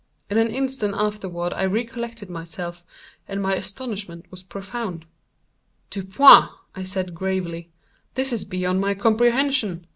In an instant afterward I recollected myself, and my astonishment was profound. "Dupin," said I, gravely, "this is beyond my comprehension.